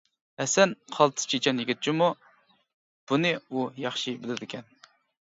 ھەسەن قالتىس چېچەن يىگىت جۇمۇ، بۇنى ئۇ ياخشى بىلىدىكەن.